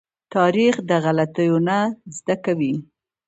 تاریخ د غلطيو نه زده کوي.